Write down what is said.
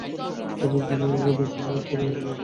তবে জুলিয়ান ক্যাডাজিওর একটা ব্যাপারে ভালো প্রতিভা ছিল।